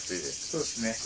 そうですね。